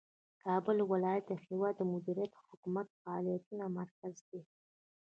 کابل ولایت د هیواد د مدیریت او حکومتي فعالیتونو مرکز دی.